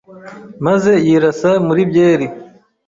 maze yirasa muri byeri